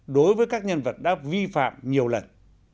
đối với các nhân vật đã vi phạm nhiều lần